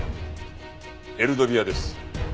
エルドビアです。